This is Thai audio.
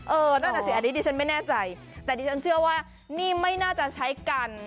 นั่นน่ะสิอันนี้ดิฉันไม่แน่ใจแต่ดิฉันเชื่อว่านี่ไม่น่าจะใช้กัน